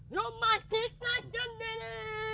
rumah kita sendiri